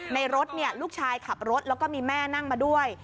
ในรถลูกชายขับรถแล้วก็มีแม่นั่งมาด้วย